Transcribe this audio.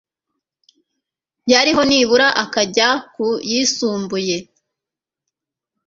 yariho nibura akajya ku yisumbuye